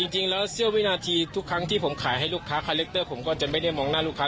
จริงแล้วเสี้ยววินาทีทุกครั้งที่ผมขายให้ลูกค้าคาแรคเตอร์ผมก็จะไม่ได้มองหน้าลูกค้า